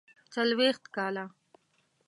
څلوېښت کاله.